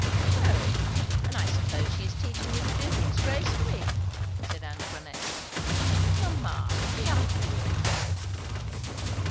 "O, and I suppose she is teaching you to do things gracefully?" said Antoinette. "Mamma, the idea!"